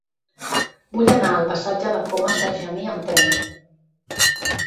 Vull anar al passatge de Comas d'Argemí amb tren.